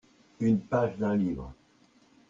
Une page d'un livre.